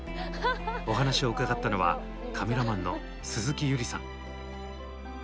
お話を伺ったのはカメラマンの鈴木友莉さん。